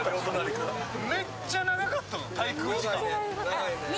めっちゃ長かった、滞空時間。